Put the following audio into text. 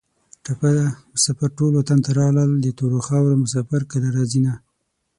ټپه ده: مسافر ټول وطن ته راغلل د تورو خارو مسافر کله راځینه